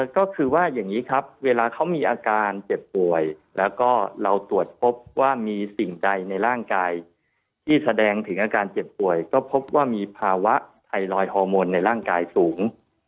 ก็คือว่าอย่างนี้ครับเวลาเขามีอาการเจ็บป่วยแล้วก็เราตรวจพบว่ามีสิ่งใดในร่างกายที่แสดงถึงอาการเจ็บป่วยก็พบว่ามีภาวะไทรอยฮอร์โมนในร่างกายสูง